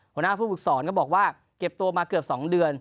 หัวหน้าผู้ฝึกสอนก็บอกว่าเก็บตัวมาเกือบ๒เดือน